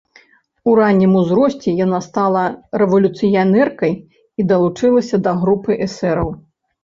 У раннім узросце яна стала рэвалюцыянеркай і далучылася да групы эсэраў.